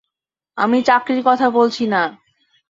আমি চাকরির কথা বলছি না।